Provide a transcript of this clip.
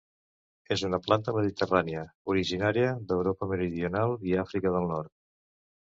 És una planta Mediterrània, originària d'Europa meridional i Àfrica del Nord.